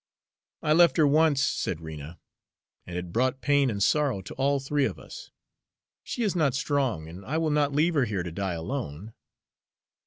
"I left her once," said Rena, "and it brought pain and sorrow to all three of us. She is not strong, and I will not leave her here to die alone.